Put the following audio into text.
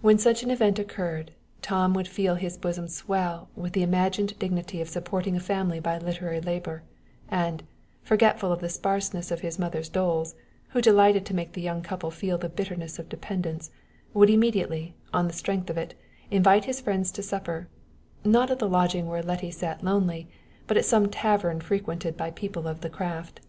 When such an event occurred, Tom would feel his bosom swell with the imagined dignity of supporting a family by literary labor, and, forgetful of the sparseness of his mother's doles, who delighted to make the young couple feel the bitterness of dependence, would immediately, on the strength of it, invite his friends to supper not at the lodging where Letty sat lonely, but at some tavern frequented by people of the craft.